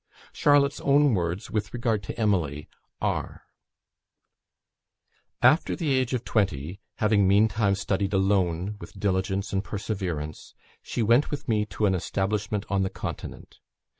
Charlotte's own words, with regard to Emily, are: "After the age of twenty, having meantime studied alone with diligence and perseverance, she went with me to an establishment on the continent.